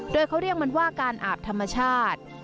โดยเขาเรียกมันว่าการอาบธรรมชาติ